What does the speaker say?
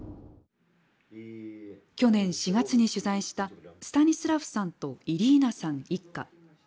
去年４月に取材したスタニスラフさんとイリーナさん一家。